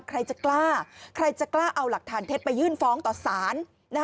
ใครจะกล้าใครจะกล้าเอาหลักฐานเท็จไปยื่นฟ้องต่อสาร